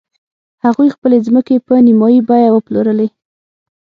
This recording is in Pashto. هغوی خپلې ځمکې په نیمايي بیه وپلورلې.